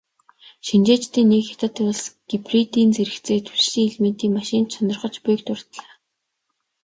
Шинжээчдийн нэг "Хятад улс гибридийн зэрэгцээ түлшний элементийн машин ч сонирхож буй"-г дурдлаа.